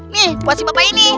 nih buat si papa ini